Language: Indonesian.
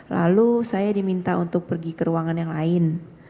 lalu saya diminta untuk pergi ke ruangan yang lain